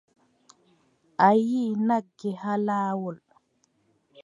A yiʼi nagge haa laawol.